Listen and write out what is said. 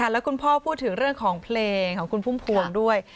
แล้วคุณพ่อพูดถึงเรื่องของเพลงของคุณพุ่มพวงด้วย